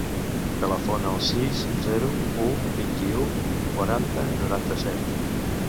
Telefona al sis, zero, u, vint-i-u, quaranta, noranta-set.